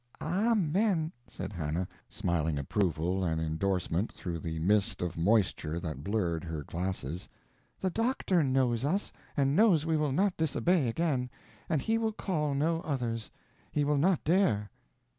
"Amen," said Hannah, smiling approval and endorsement through the mist of moisture that blurred her glasses. "The doctor knows us, and knows we will not disobey again; and he will call no others. He will not dare!"